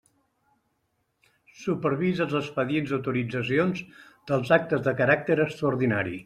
Supervisa els expedients d'autoritzacions dels actes de caràcter extraordinari.